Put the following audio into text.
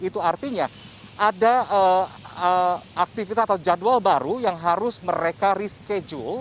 itu artinya ada aktivitas atau jadwal baru yang harus mereka reschedule